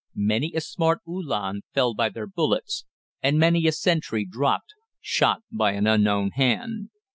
Many a smart Uhlan fell by their bullets, and many a sentry dropped, shot by an unknown hand.